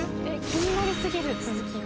気になりすぎる続きが。